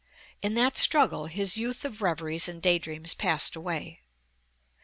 In that struggle his youth of reveries and day dreams passed away.